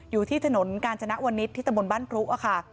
อยู่ที่ถนนกาญจนวนิษฐ์ที่ตะบนบ้านพรุค่ะ